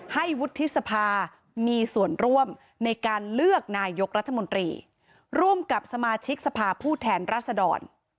ให้วุฒิสภามีส่วนร่วมในการเลือกนายกรัฐมนตรีร่วมกับสมาชิกสภาพผู้แทนรัศดร